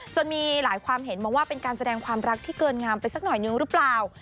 จนมีหลายความเห็นมองว่าเป็นการแสดงความรักที่เกินงามไปสักหน่อยนึงหรือเปล่า